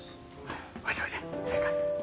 おいでおいで早く。